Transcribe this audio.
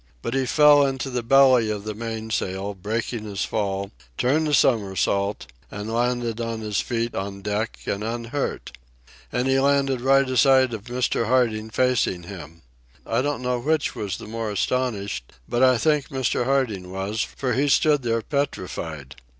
But he fell into the belly of the mainsail, breaking his fall, turned a somersault, and landed on his feet on deck and unhurt. And he landed right alongside of Mr. Harding, facing him. I don't know which was the more astonished, but I think Mr. Harding was, for he stood there petrified.